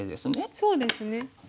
そうですね。